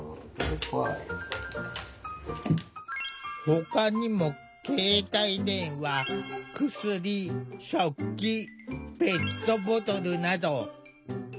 ほかにも携帯電話薬食器ペットボトルなど。